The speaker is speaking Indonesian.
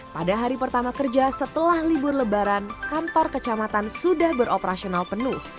pada hari pertama kerja setelah libur lebaran kantor kecamatan sudah beroperasional penuh